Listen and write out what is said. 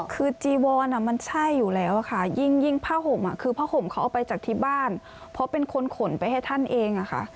คือจีวอนมันใช่อยู่แล้วค่ะยิ่งผ้าห่มคือผ้าห่มเขาเอาไปจากที่บ้านเพราะเป็นคนขนไปให้ท่านเองอะค่ะ